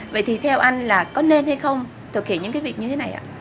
vậy thì theo anh là có nên hay không thực hiện những cái việc như thế này ạ